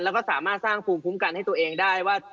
แล้วก็สามารถสร้างภูมิคุ้มกันให้ตัวเองได้ว่า